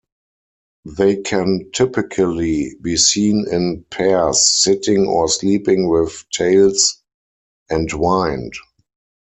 They can typically be seen in pairs sitting or sleeping with tails entwined.